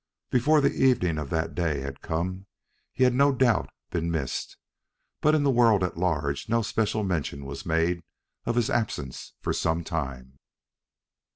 Before the evening of that day had come he had no doubt been missed, but in the world at large no special mention was made of his absence for some time.